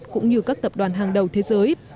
cũng như các tập đoàn hàng đầu thế giới